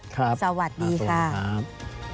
ครับสวัสดีค่ะสวัสดีครับ